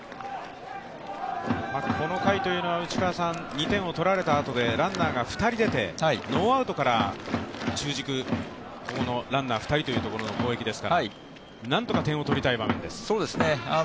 この回は２点を取られたあとでランナーが２人出てノーアウトから中軸、ランナー２人というところの攻撃ですから、なんとか点を取りたい場面です。